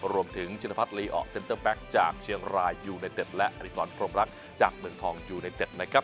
รวมถึงเจฬพัทรีออกเซ็นเตอร์เป็คจากเชียงรายยูนะเอกและอะเรซอลพรมรักจากเมืองทองยูนะเอกนะครับ